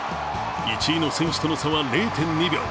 １位の選手との差は０．２秒。